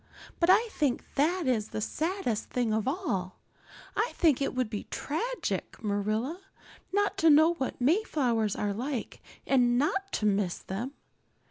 But I think that is the saddest thing of all. I think it would be tragic, Marilla, not to know what Mayflowers are like and not to miss them.